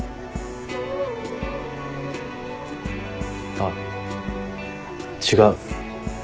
あっ違う。